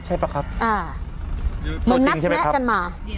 มันนักแมะกันมา